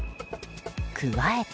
加えて。